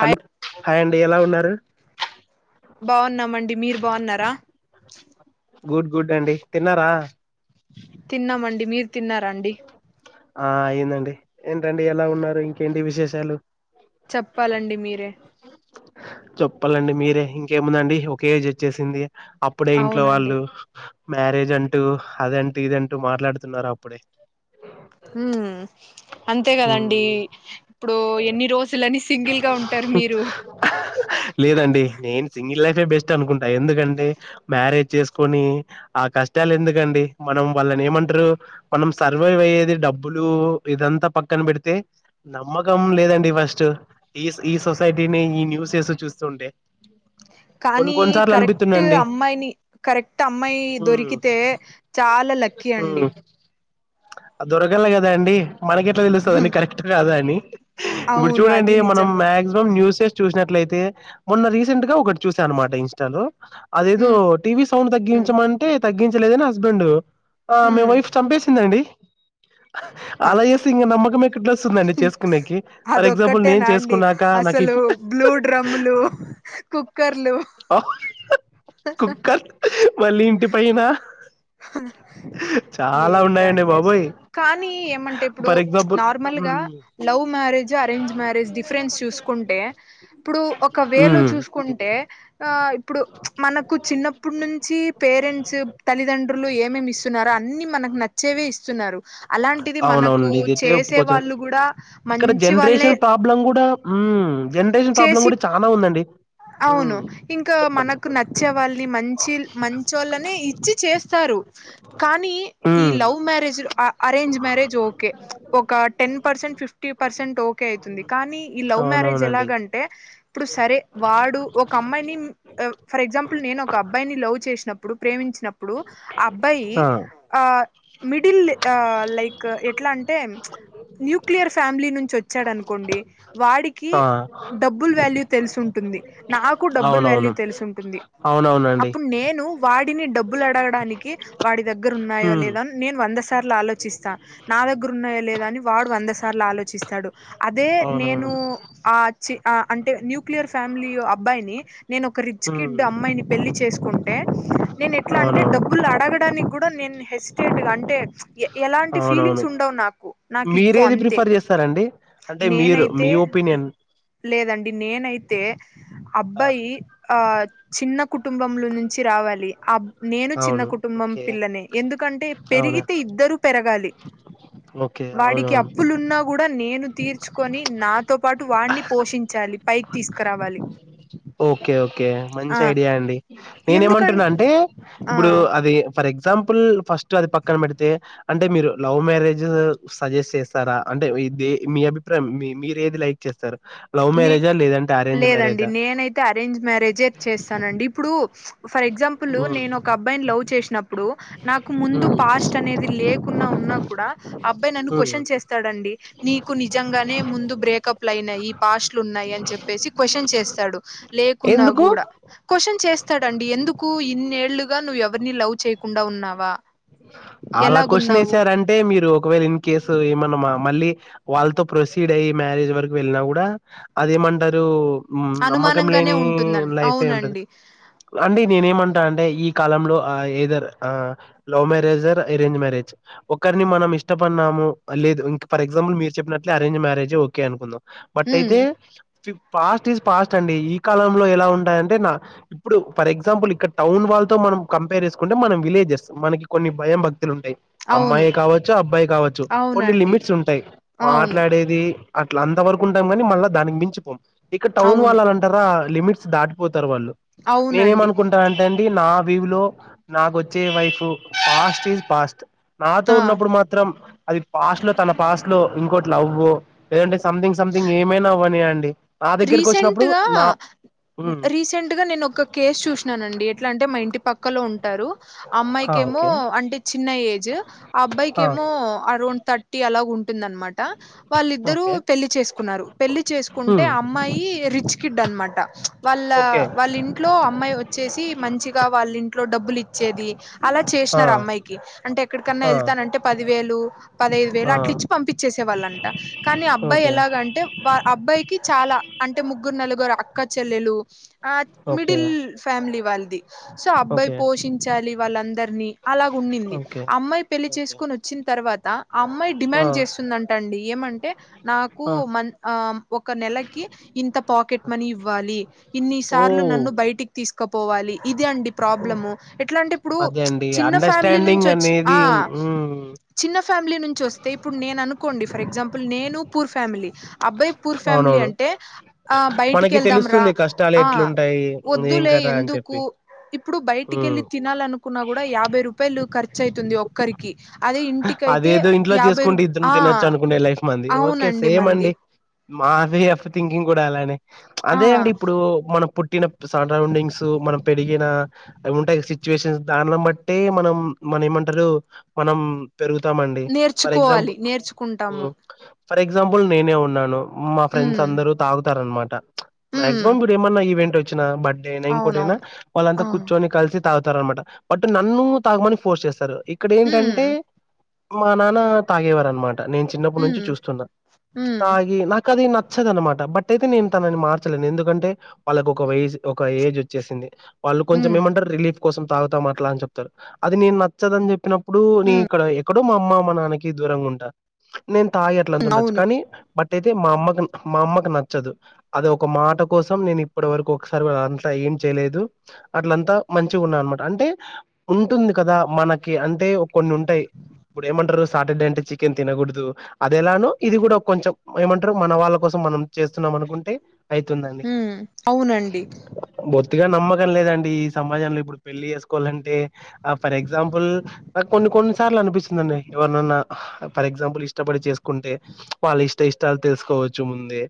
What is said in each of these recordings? Hello hi అండి ఎలా ఉన్నారు? బాన్నామండి మీరు బాన్నారా గుడ్ గుడ్ అండి. తిన్నారా? తిన్నామండి. మీర్ ఆ అయిందండి ఏంటండి ఎలా ఉన్నారు. ఇంకేంటి విశేషాలు. చెప్పాలండి మీరే. చెప్పాలండి మీరే ఇంకేముందండి. ఒక ఏజ్ వచ్చేసింది. అప్పుడే ఇంట్లో అవునండి వాళ్ళు, మ్యారేజ్ అంటూ, అదంటూ, ఇదంటూ, మాట్లాడుతున్నారు. అప్పుడే, ఉమ్ అంతే కదండి ఉమ్ ఇప్పుడు ఎన్ని రోజులని సింగిల్ గా ఉంటారు మీ లేదండి నేను సింగిల్ లైఫ్ ఏ బెస్ట్ అనుకుంటా ఎందుకంటే మ్యారేజ్ చేసుకొని ఆ కష్టాలు ఎందుకండి మనం వాళ్ళ ఏమంటారు మనం సర్వైవ్ అయ్యేది డబ్బులు ఇదంతా పక్కన పెడితే నమ్మకం లేదండి ఫస్ట్ ఈ ఈ సొసైటీని ఈ న్యూస్ సు చూస్తూ ఉంటే కానీ కరెక్ట్ అమ్మాయిని కరెక్ట్ అమ్మాయి హ్మ్ దొరికితే చాలా లక్కీ అండి హ్మ్ దొరకలే కదా అండి మనకి తెలుస్తది హ్మ్, అండి కరెక్ట్ కాదా అని ఇప్పుడు అవును అది చూడండి మనం నిజమే మాక్సిమం న్యూస్ స్ చూసినట్లయితే మొన్న రీసెంట్ గా ఒకటి చూసా అనమాట ఇంస్టాలో అదేదో టీవీ సౌండ్ తగ్గించమంటే తగ్గించలేదని హస్బెండ్ ఆమే హ్మ్, వైఫ్ చంపేసిందండి అలా చేస్తే ఇంకా నమకమే ట్ వస్తుందండి చేసుకునేకి ఫర్ ఎగ్జాంపుల్ నేను అదొక్కటేనా అండి చేసుకున్నాక నాకు అసలు బ్లూ డ్రమ్ములు కుక్కర్లు ఓ కుక్కర్ మళ్ళీ ఇంటి పైనా [inaudible] ఏంటో ఉన్నాయండి అండి బాబోయ్! అసలు కానీ ఏమంటే ఇప్పుడు ఫర్ ఎగ్జాంపుల్ నార్మల్ గా హ్మ్. Love marriage arrange marriage difference చూసుకుంటే ఇప్పుడు ఒక వే లో హ్మ్. చూసుకుంటే ఆ ఇప్పుడు మనకు చిన్నప్పుడు నుంచి పేరెంట్స్ తల్లిదం డ్రులు ఏమేమి ఇస్తున్నారో అన్ని మనకు నచ్చేవే ఇస్తున్నారు అలాంటిది మనకు అవునవునండి. ఇదైతే చేసే ఒప్పుకోవచ్చు. వాళ్ళు కూడా మంచి వాళ్ళే ప్రాబ్లం కూడా ఉమ్ చేసి అవును ఉమ్ ఇంకా చెప్పండి మనకు చెప్పండి నచ్చే వాళ్ళని మంచి మంచోళ్ళనే ఇచ్చి చేస్తారు కానీ ఈ ఉమ్ love marriage arrange marriage okay ఒక ten percent fifty percent okay అవుతుంది కానీ ఈ లవ్ మ్యారేజ్ అవునవునండి ఎలాగంటే ఇప్పుడు సరే వాడు ఒక అమ్మాయిని ఫర్ ఎగ్జాంపుల్ నేను ఒక అబ్బాయిని లవ్ చే నప్పుడు ప్రేమించి ప్పుడు ఆ అబ్బాయి ఆ ఆ మిడిల్ లైక్ ఎట్లా అంటే న్యూక్లియర్ ఫ్యామిలీ నుంచి వచ్చాడనుకోండి వాడికి ఆ డబ్బుల్ వాల్యూ తెలుసుంటుంది. నాకు డబ్బుల్ అవునవును వాల్యూ తెలుసుంటుంది అవునవునండి అప్పుడు నేను వాడిని డబ్బులు అడగడానికి వాడి దగ్గర ఉన్నాయో ఉమ్ లేదాని నేను వందస్ సార్లు ఆలోచిస్తా నా దగ్గరున్నాయ లేదా అని వాడు వంద సార్లు ఆలోచిస్తాడు అదే నేను అవునవును ఆ అంటే న్యూక్లియర్ ఫ్యామిలీ అబ్బాయిని నేనొక రిచ్ ఉమ్ కిడ్ అమ్మాయిని పెళ్లి చేసు నేను ఎట్లా అంటే అవునవును డబ్బులు అడగడానికి కూడా నేను హెసిటేట్ అంటే ఎలాంటి అవునవును ఫీలింగ్స్ ఉండవు నాకు నాకు ఇవ్వు మీరేది అంతే ప్రిఫర్ చేస్తారండి అంటే మీరు మీ నేనైతే ఒపీనియన్ లేదండి నేనైతే ఆ, అబ్బాయి ఆ చిన్న కుటుంబంలో నుంచి రావాలి. అబ్ నేను చిన్న అవును కుటుంబం ఓకే పిల్లనే ఎందుకంటే అవునా పెరిగితే ఇద్దరు పెరగ ఓకే వాడికి అవునవును అప్పులున్నా కూడా నేను తీర్చుకొని నాతో పాటు వాణి పోషించాలి పైకి తీసుకురావాలి ఓకే ఓకే ఆ మంచి ఐడియా అండి నేనే ఎందుకం ఏమంటున్నా అంటే ఆ ఇప్పుడు అది ఫర్ ఎగ్జాంపుల్ ఫస్ట్ అది పక్కన పెడితే అంటే మీరు లవ్ మ్యారేజ్ సజెస్ట్ చేస్తారా అంటే మీ అభిప్రాయం మీరు ఏది లైక్ చేస్తారు లవ్ నే మ్యారేజా లేదం లేదండి నేనైతే అరేంజ్ మ్యారేజ్ చేస్తానండి ఇప్పుడు ఫర్ ఎగ్జాంపుల్ హ్మ్ నేను ఒక ఒక అబ్బాయిని లవ్ చేసి నప్పుడు నాకు ముందు హ్మ్ పాస్ట్ అనేది లేకున్నా ఉన్నా కూడా అబ్బాయి నన్ను హ్మ్ క్వశ్చన్ చేస్తాడు అ అండి నీకు నిజంగానే ముందు బ్రేకప్ లు అయినాయి పాస్ట్లు ఉన్నాయి అని చెప్పేసి క్వశ్చన్ చేస్తాడు, లేకున్నా ఎందుకు? కూడా క్వశ్చన్ చేస్తాడు అండి ఎం ఎందుకు ఇన్నేళ్లుగా నువ్వు ఎవరినీ లవ్ చేయకుండా ఉన్నావా ఆళ్ళకు క్వషన్ ఎలాగున్నావు ఏసారంటే మీరు ఒకవేళ ఇన్ కేసు ఏమన్నా మా మళ్ళీ వాళ్ళతో ప్రొసీడ్ అయ్యి మ్యారేజ్ వరకు వెళ్ళినా కూడా అదేం అంటారు ఉమ్ నమ్మకం అనుమానంగానే లేని ఉంటుందండి లైఫే ఉంటది అవునండి అంటే నేనేం అన్ టా అంటే ఈ కాలంలో ఆ ఏ దర్ ఆ love marriage or arrange marriage ఒకరిని మనం ఇష్టపడినాము లేదు ఇంక్ ఫర్ ఎగ్జాంపుల్ మీరు చెప్పినట్లే అరేంజ్ మ్యారేజ్ ఓకే అనుకుందాం బట్ ఉమ్ అయితే ఫఫ్ ఫాస్ట్ ఈస్ ఫాస్ట్ అండి ఈ కాలంలో ఎలా ఉంటాయంటే నా ఇప్పుడు ఫర్ ఎగ్జాంపుల్ ఇక్కడ టౌన్ వాళ్ళ తో మ మనం కంపేర్ చేసుకుంటే మనం విలేజెస్ మనకి కొన్ని భయం భ త్తులు ఉంటాయి అవును అమ్మాయే కావచ్చు అబ్బాయే కావచ్చు కొన్ని అవునండి లిమిట్స్ ఉంటాయి అవును ఆట్లాడేది అట్లా అంత వరకు ఉంటాం కాని మళ్ళా దానికి మించి పోం ఇక టౌన్ అవును వాళ్ళలంటారా లిమిట్స్ దాటిపో తారు వాళ్ళు నేనేం అవునండి అనుకుంటా అంటే అండి నా వ్యూ లో నాకొచ్చే వైఫ్ ఫాస్ట్ ఈజ్ ఫాస్ట్ నాతో ఆ! ఉన్నప్పుడు మాత్రం అది పాస్ట్ లో తన పాస్ట్ లో ఇంకోటి లవ్వు లేదంటే సంథింగ్ సంథింగ్ ఏమైనా అవ్వనీయండి నా దగ్గరకి వచ్చినప్పుడు రీసెంట్‌గా నా ఉమ్ రీసెంట్ గా నేను ఒక కేసు చూసినానండి ఎట్లా అంటే మా ఇంటి పక్కలో ఉంటారు హా అమ్మాయికేమో ఓకే అంటే చిన్న ఏజ్ ఆ హా అబ్బాయికేమో అరౌండ్ థర్టీ అలాగుం టుందనమాట వాళ్ళిద్దరూ ఓకే పెళ్లి చేసుకున్నారు పెళ్లి చేసుకుం టే ఉమ్ అమ్మాయి రిచ్ కిడ్ అనమాట వాళ్ళ ఓకే వాళ్ళింట్లో అమ్ మ్మాయి వచ్చేసి మంచిగా వాళ్ళింట్లో డబ్బులి చ్చేది అలా ఆ చేసినారు అమ్మాయికి అంటే ఎక్కడిన్నా ఆ ఎళ్తాంటే పది వేలు పదైదు వేలు ఆ అట్లి చ్చి పంపిచ్చేసేళ్ళంట కానీ అబ్బాయి ఓకే ఎలాగంటే వా ఆ అబ్బాయి కి చాలా అంటే ముగ్గురు నలుగురు అక్కా చెల్లెలు ఆ ఓకే మిడిల్ ఫ్యామిలీ వాళ్ళిది సో అబ్బాయి ఓకే పోషించాలి వాళ్ళందర్ అని అలాగున్నింది ఓకే అమ్మాయి పెళ్లి ఓకే చేసుకొని వచ్చిన తర్వాత ఆ అమ్మాయి ఆ డిమాండ్ చేస్తుందంటం డి ఏమంటే నాకు ఆ మం ఆం ఒక నెలకి ఇంత పాకెట్ మనీ ఇవ్వాలి, ఇన్ని ఓ సార్లు నన్ను బైటికి తీసుకపోవాలి. ఇది అండి ప్రాబ్లము ఎట్లాంటే ఇప్పుడు అదే ప్చ్ అండి చిన్న ఫ్యామిలీ నుంచి అండర్స్టాండింగ్ వచ్చి అనేది ఆ ఉన్- ఉమ్ చిన్న ఫ్యామిలీ నుంచి వస్తే ఇప్పుడు నేను అనుకోండి ఫర్ ఎగ్జాంపుల్ నేను పూర్ ఫ్యామిలీ అబ్బా య్ పూర్ ఫ్యామిలీ అవునవును అంటే ఆ బయటికి మనకి వెళ్దాం రా, తెలుస్తుంది కష్టాలు ఆ ఎట్లుంటాయి ఏం వద్దులే కదా ఎం అని దుకు చెప్పి ఇప్పుడు బయటికి ఉమ్ వెళ్ళి తినాలనుకున్నా కూడా యాభై రూపాయలు ఖర్చు అయితుంది ఒక్కరికి అదే [unintelligible] ఇంటికైతే అదేదో ఇంట్లో యాభై రూ చేసుకుంటే ఇద్దరం ఆ తినొచ్చు అనుకుండే లైఫ్ మంది ఓకే అవునండి సేమ్ మంది అండి. మా వే ఆఫ్ థింకింగ్ కూడా అలానే ప్చ్ ఆ అదే అండి ఇప్పుడు మనం పు ట్టిన సరౌండింగ్స్ మనం పెరిగిన అవి ఉంటాయిగ సిచ్యువేషన్స్ దాన్లని బట్టే మనం మన ఏమంటరు మనం పెరుగుతామండి ఫర్ నేర్చుకోవాలి ఎగ్జాంపుల్ నేర్చుకుంటాము ఉమ్ ఫర్ ఎగ్జాంపుల్ నేనే ఉన్నాను మా ఫ్రెండ్స్ ఉమ్ అందరూ తాగుతారన్మాట ప్చ్ ఉమ్ మ్యాగ్జిమం ఇప్పుడు ఏమన్నా ఈవెంట్ వచ్చినా బర్త్డే అయినా ఇంకోటి అయినా అవునవును ఆ వాళ్ళంతా కూర్చొని కలిసి తాగు తారు అనమాట బట్ నన్ను తాగమని ఫోర్స్ చేస్తారు ఇక్కడ ఏంటం ఉమ్ మా నాన్న తాగేవారు అనమాట నేను చిన్నప్పుడు నుంచి ఉమ్ చూస్తున్నా ఉమ్ తాగి నా కది నచ్చదు ఆనమాట బట్ అయితే నేను తనని మార్చలేను ఎందుకంటే వాళ్ళకి ఒక వయస్ ఒక ఏజ్ వచ్చేసింది. వాళ్ళు కొంచెం ఉమ్ ఏమంటారు రిలీఫ్ కోసం తాగుతాం అట్లా అ చెప్తారు అది నేను నచ్చదని చెప్పినప్ పుడు నే ఉమ్ ఇక్కడ ఎక్కడో మా అమ్మ మా నాన్నకి దూరంగా ఉంటా నేను తాగి అట్లంత ఉండొచ్చు అవును కానీ బట్ టైతే మా అమ్మకు మా అమ్మకు నచ్చదు అది ఒక మాట కోసం నేను ఇప్పడి వరకు ఒకసారి కూడ [unintelligible] అంత అయి ఏం చేయలేదు అట్లంతా మంచిగ ఉన్నా అనమాట అంటే ఉంటుంది కదా మనకి అంటే కొన్ని ఉంటాయ్ ఇప్పుడు ఏమంటారు సాటర్డే అంటే చికెన్ తినకూడదు అదేలానో ఇది కూడా కొంచెం ఏమంటరు మన వాళ్ళ కోసం మనం చేస్తున్నాం అనుకుంటే అయితుందండి ఉమ్ అవునండి [unintelligible] ట్టిగా నమ్మకం లేదండి ఈ సమాజంలో ఇప్పుడు పెళ్లి చేసుకోవాలంటే ఆ ఫర్ ఎగ్సాంపుల్ నా కొన్ని కొన్ని సార్లు అనిపిస్తుందండి ఎవరినన్నా ఫర్ ఎగ్జాంపుల్ ఇష్టపడి చేసుకుంటే వాళ్ళు ఇష్ట ఇ ఇష్ట తెలుసుకోవచ్చు ముందే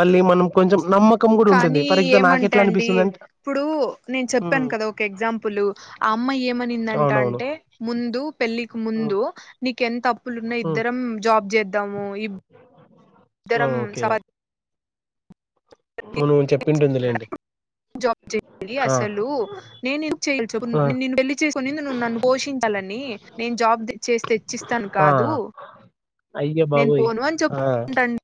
మళ్ళీ మన కొంచెం నమ్మకం కూడా ఉంటుంది కానీ ఫర్ ఎగ్జాపుల్ నాకు ఏమంటే ఎట్లా అండి అనిపిస్తుందింటే లు ఆ అమ్మయి ఏమనిందంట అంటే ముందు ముందు పెళ్ళకి ఉమ్ ముందు నీక ఎంత అప్పులున్నా ఉమ్ ఇద్దరం జాబ్ చే ము ఇ ఇద్దరం వు నువ్వు చెప్పింటుందిలేండి జాబ్ చెయాలి ఆ అసలు నేను ఆ ఏం వళ్ళి చేసుకుని నన్ను పోషించ లని నేను జాబ్ చేసి తెచ్చిస్తాను ఆ కాదు అయ్య నేను బాబోయ్ పోను అని ఆ చెప్తుంటండి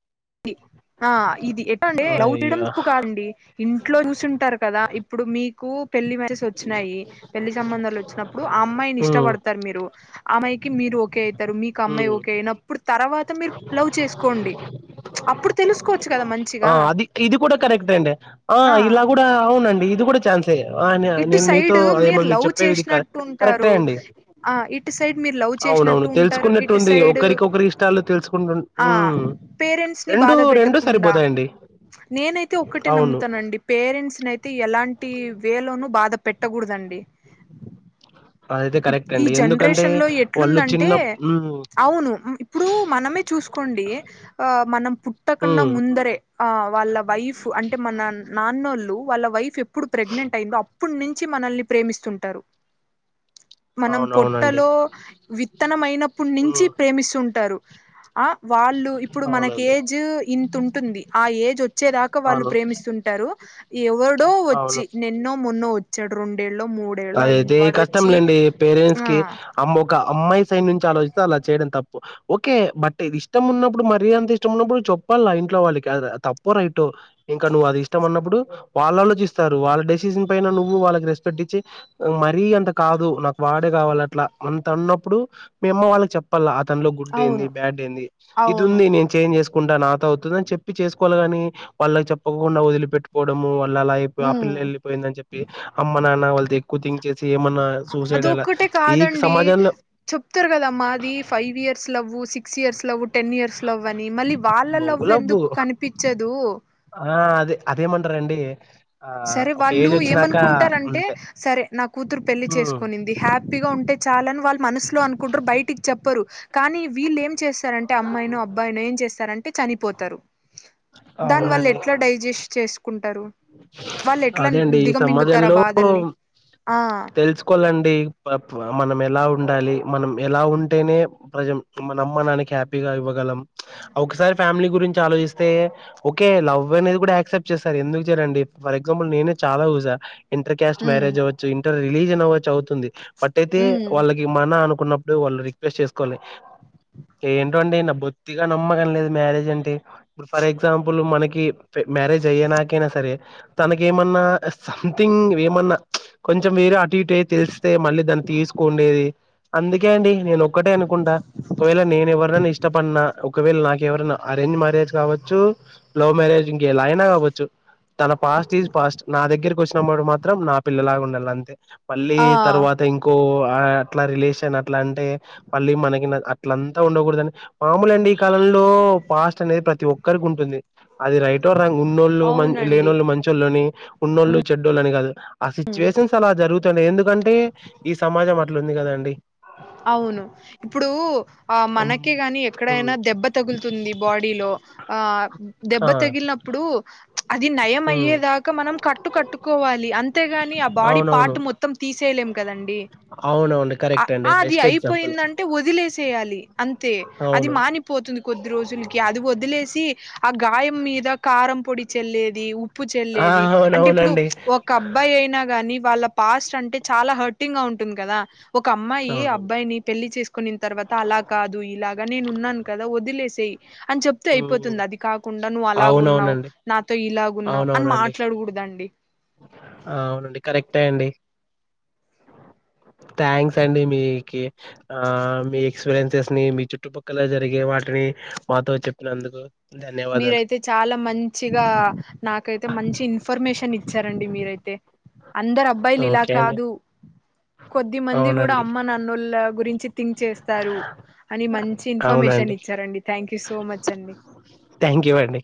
ఆ ఇది ఎట్ అ రౌ అయ్యా చేప్పు కాదండి ఇంట్లో చూసింటారు కదా ఇప్పుడు మీకు పెళ్లి మెస్ వచ్చినాయి పెళ్లి సంబంధాలు వచ్చినప్పుడు ఆ అమ్మాయిని ఉమ్ ఇష్టపడతారు మీరు అమ్మాయికి మీరు ఒకే అవుతారు మీకు అమ్మాయి ఉమ్ ఓకే అయినప్పుడు తర్వాత మీరు లవ్ చేసుకోండి అప్పుడు తెలుసుకోవచ్చు కదా ఆ మంచిగా అది ఇది కూడా కరెక్ట్ అండి ఆ ఇలా కూడా అవునండి ఇది కూడా ఛాన్స్ అ ఆ ఇటు నేను మీతో సైడ్ అదేమ మీరు లవ్ చెప్పేవిది చేసినట్టు కరెక్టే ఉంటారు అండి ఆ ఇటు సైడ్ మీరు లవ్ అవునవును చేసినట్టు ఉంటారు తెలుసుకున్నట్టు ఇటు ఉంది సైడ్ ఒకరికి ఒకరి ఇష్టాలు తెలుసుకున్న ఆ పేరెంట్స్ ని రెండు బాధ రెండు పెట్టకుండా సరిపోతాయండి నేనైతే ఒక్కటే అవును నమ్ముతానండి పేరెంట్స్ నయితే ఎలాంటి లోనూ బాధ పెట్టకూడదండి అదైతే కరెక్ట్ ఈ అండి ఎందుకంటే జనరేషన్ లో వాళ్ళు ఎట్లుందంటే చిన్న మ్మ్ అవును ఇప్పుడు మనమే చూసుకోండి ఆ మనం పుట్టకున్నా మ్మ్ ముందరే ఆ వాళ్ళ వైఫ్ అంటే మన నాన్నోళ్ళు వాళ్ళ వైఫ్ ఎప్పుడు ప్రెగ్నెంట్ అయిందో అప్పటి నుంచి మనల్ని ప్రేమిస్తుంటారు మనం అవునవునండి పొట్టలో విత్తనామ్ అయినప్పటి నుంచి మ్మ్ ప్రేమిస్తుంటారు ఆ వాళ్ళు ఇప్పుడు మనకి అవునండి ఏజ్ ఇంత ఉంటుంది ఆ ఏజ్ వచ్చేదాకా వాళ్ళు అవును ప్రేమిస్తుంటారు ఎవడో వచ్చి అవును నిన్నో మొన్నో వచ్చాడు రెండేళ్ళో మూడేళ్ళ అయింది వాడు వచ్చి అండి పేరెంట్స్ ఆ కి అమ్మక అమ్మాయి సైడ్ నుంచి ఆలోచిస్త అలా చేయడం తప్పు ఓకే బట్ ఇది ఇష్టం ఉన్నప్పుడు మరి అంత ఇష్టం ఉన్నప్పుడు చె చెప్పల ఇంట్లో వాళ్ళకి తప్ప రైట్ ఇంకా నువ్వు అది ఇష్టం అన్నప్పుడు వాళ్ళలో చిస్తారు వాళ్ళ డ సీన్ పైన నువు వాళకి రెస్పెట్ ఇచ్చి మరీ అంత కాదు నాకు వాడే కావాలి అట్లా అంత అన్నప్పుడు మే అమ్మ వాళ్ళకి చెప్పాల లో గుడ్ ఏంది అవును బ్యాడ్ ఏంది ఇది అవును ఉంది నేను చేంజ్ చేసుకు కు నాతొ అవుతుంది అని చెప్ప చేకోలిగాని వాళ్ళకి చెప్పకుండా వదిలి పెట్టి పోవడము పిల్ల అయి ఆ ఉమ్ పిల్ల వెళ్ళిపోయిందని చెప్ప అమ్మ నాన్నళ్ళ థింక్ చేసి ఏమన్నా సూసైడ్ అలా అదొక్కటే ఈ కాదండి సమాజంలో చెప్తారు కదమ్మా అది five years love six years love ten years love అని మళ్ళీ వాళ్ళ లవ్ బొంగులవ్వు ఎందుకు కనిపించదు అదేమంటార అండి సరే వాళ్ళు ఏమనుకుంటారంటే అంతే సరే నా కూతురు పెళ్లి హ్మ్ చేసుకనింది హ్యాపీగా ఉంటే చాలని వాళ్ళు మనసులో అనుకుంటారు బయటికి చెప్పరు కానీ వీళ్ళు ఏం చేస్తారంటే అమ్మాయినో అబ్బాయినో ఏం చేస్తారంటే చనిపోతారు దాని వల్ల అవునండి ఎట్లా డైజెస్ట్ చేసుకుంటారు వాళ్ళు ఎట్లా అదే అండి ఈ దిగమింగుతారు ఆ సమాజంలో బాధల్ని ఆ తెలుసుకోవాలండి మనం ఎలా ఉండాలి మనం ఎలా ఉంటేనే ప్రజెంట్ మనం అమ్మ నాన్న కి హ్యాపీగా ఇవ్వగలం ఒకసారి ఫ్యామిలీ గురించి ఆలోచిస్తే ఓకే లవ్ అనేది కూడా యాక్సెప్ట్ చేస్తారు ఎందుకు డి ఫర్ ఎ్జాంపుల్ నేనే చాల ూజా ఇర్ కాస్ట్ ఉమ్ మ్యారేజ్ అవచ్చు ఇంటర్ రిలీజన్ అవ్వచ్చు చదువుతుంది బట్యితే ఉమ్ వాళ్ళకి మన అనుకున్నప్పుడు వాళ్ళు రిక్వెస్ట్ చేసుకోవాలి ఏంటో అండి నా బొత్తిగా నమ్మకం లేదు మ్యారేజ్ అంటే ఇప్పుడు ఫర్ ఎగ్జాంపుల్ మనకి మ్యారేజ్ అయ్యే నాకైనా సరే తనక ఏమన్నా సంథింగ్ ఏమన్నా కొంచెం వేరే అటు ఇటే తెలిస్తే మళ్ళీ దాన్ని తీసుకుండేది అందుకే అండి నేను ఒక్కటే అనుకుంటా ఒకవేళ నేను ఎవరినని ఇష్టపడిన ఒకవేళ నాకు ఎవరైనా అరేంజ్ మ్యారేజ్ కావచ్చు లవ్ మ్యారేజ్ ఇంక ఎలా అయినా కావచ్చు తన పాస్ట్ ఈజ్ పాస్ట్ నా దగ్గరకి వచ్చినప్పుడు మాత్రం నా పిల్లలాగా ఉండాలి అంతే మళ్ళీ ఆ త తర్వాత ఇంకో అట్లా రిలేషన్ అట్లా అంటే మళ్ళీ మనకి ఇట్లంతా ఉండకూడదండి మామొలె అండి ఈ కాలంలో పాస్ట్ అనేది ప్రతి ఒక్కరికి ఉంటుంది అది రైటో రాంగ్ ఉన్నోళ్ళు మ అవునండి లేనోళ్ళు మంచొళ్ళని ఉన్నోళ్ళు చెడ్డోళ్ళు అని గాదు ఆ సిచ్యువేషన్స్ అలా జరుగుతున్నాయ్ ఎందుకంటే ఈ సమాజం అట్లా ఉంది కదండి అవును ఇప్పుడు ఆ అమ్ మనకే గాని ఉమ్ ఎక్కడైనా దెబ్బ తగులుతుంది బాడీలో ఆ దెబ్బ ఆ తగిలినప్పుడు అది నయం ఉమ్ అయ్యేదాకా మనం కట్టు కట్టుకోవాలి అంతేగాని ఆ బాడీ అవునవును పార్ట్ మొత్తం తీసే లేం కదండి అవును అండి కరక్టే ఆ అది అయిపోయిందంటే వదిలేసేయాలి అంతే అది అవును మానిపోతుంది కొద్ది రోజులకి అది వదిలేసి ఆ గాయం మీద కారం పొడి చెల్లేది ఉప్పు ఆ చెల్లేది అంటే ఇప్పుడు అవునవునండి ఒక అబ్బాయి అయినా గానీ వాళ్ళ పాస్ట్ అంటే చాలా హర్టింగ్ గా ఉంటుంది కదా ఒక అమ్మాయి అవునవును అబ్బాయిని పెళ్లి చేస్ కొనిన తర్వాత అలా కాదు ఇలాగా నేను ఉన్నాను కదా వదిలేసేయ్ అని చెప్తే ఉమ్ అయిపోతుంది అది కాకుండా నువ్వు అలాగున్నావ్ అవునవునండి నాతో ఇలా అవునవునండి అవునండి కరెక్ట్ అం డి థ్యాంక్స్ అండి మీకీ ఆ మీక్ ఎస్పీరియన్సెస్ ని మీ చుట్టుపక్కల జరిగే వాటిని మాతో చెప్పినందుకు ధన్యవాదాలు మీరైతే చాలా మంచిగా గా నాకైతే మంచి ఇన్ఫర్మేషన్ ఇచ్చారండి మీరైతే అందరు అబ్బాయిలు ఇలా ఓకే అండి కాదు కొద్ది మంది గూడా అవునండి అమ్మ నన్నోళ్ గురించి థింక్ చేస్తారు అని మంచి ఇన్ఫర్మేషన్ అవునండి ఇచ్చారండి థ్యాంక్ యూ సో మచ్ అండి థ్యాంక్ యూ అండి